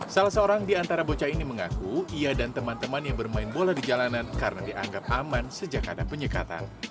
salah seorang di antara bocah ini mengaku ia dan teman teman yang bermain bola di jalanan karena dianggap aman sejak ada penyekatan